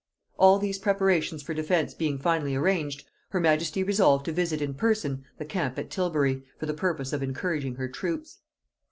All these preparations for defence being finally arranged, her majesty resolved to visit in person the camp at Tilbury, for the purpose of encouraging her troops.